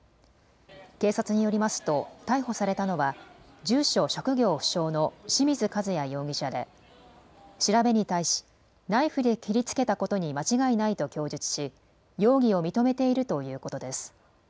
警察によりますと逮捕されたのは住所・職業不詳の清水和也容疑者で調べに対しナイフで切りつけたことに間違いないと供述し容疑を認めているということです。